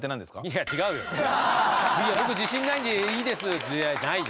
「いや僕自信ないんでいいです」じゃないよ。